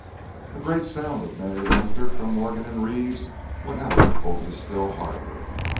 A great sound of merry laughter from Morgan and Reeves went out over the still harbour.